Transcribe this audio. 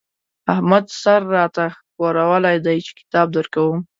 احمد سر را ته ښورولی دی چې کتاب درکوم.